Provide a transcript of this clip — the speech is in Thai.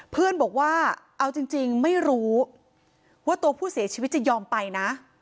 เพื่อนบอกว่าเอาจริงไม่รู้ว่าตัวผู้เสียชีวิตจะยอมไปนะ